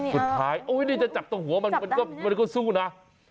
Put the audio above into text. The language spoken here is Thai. สุดท้ายจะจับตรงมันหัวมันก็สู้นะ